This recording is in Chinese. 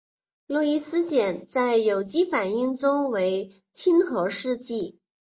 路易斯碱在有机反应中为亲核试剂。